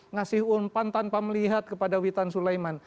ngasih umpan tanpa melihat kepada witan sulaiman